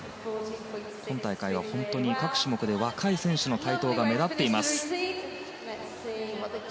今大会は、本当に各種目で若い選手の台頭が目立ちます。